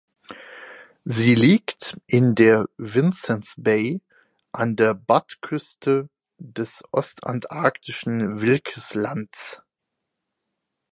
Sie liegt in der Vincennes Bay an der Budd-Küste des ostantarktischen Wilkeslands.